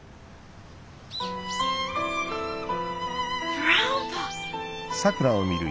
グランパ。